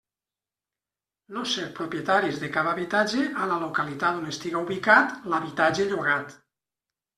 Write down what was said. No ser propietaris de cap habitatge a la localitat on estiga ubicat l'habitatge llogat.